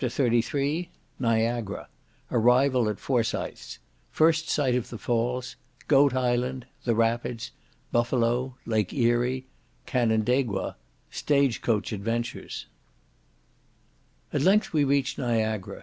CHAPTER XXXIII Niagara—Arrival at Forsythes—First sight of the Falls—Goat Island—The Rapids—Buffalo—Lake Erie—Canandaigna—Stage coach adventures At length we reached Niagara.